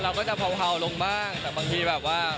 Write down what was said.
เราก็จะเผาลงบ้างแต่บางทีแบบว่า